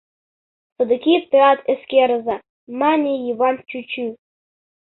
— Содыки теат эскерыза, — мане Йыван чӱчӱ.